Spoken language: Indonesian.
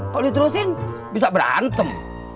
kalau diterusin bisa berantem